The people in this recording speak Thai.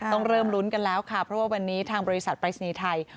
ต้องเริ่มลุ้นกันแล้วค่ะเพราะว่าวันนี้ทางบริษัทปรายศนีย์ไทย